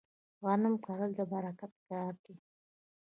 غنم کرل د برکت کار دی.